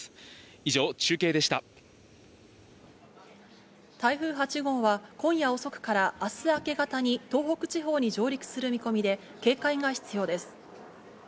以上、台風８号は今夜遅くから明日、明け方に東北地方に上陸する見込みで、警戒が必要です。